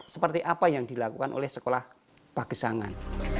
seperti apa yang dilakukan oleh sekolah pagesangan